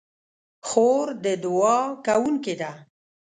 خور د دعا کوونکې ده.